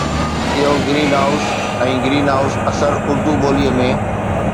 اهو greenhouse ۽ greenhouse اثر اردو ٻوليءَ ۾